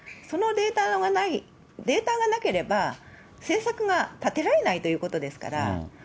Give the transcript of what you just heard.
そのデータがなければ、政策が立てられないということですから。